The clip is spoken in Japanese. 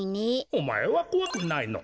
おまえはこわくないのか？